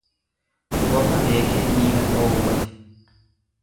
Bofa beekee miila dhoowwate.